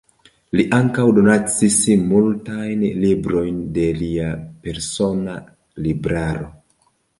Li ankaŭ donacis multajn librojn de lia persona libraro.